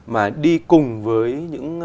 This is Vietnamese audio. mà đi cùng với những